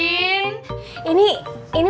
ayo kita kog termin deh